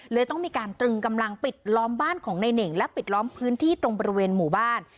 เลยต้องมีการตรึงกำลังปิดล้อมบ้านของในเน่งและปิดล้อมพื้นที่ตรงบริเวณหมู่บ้าน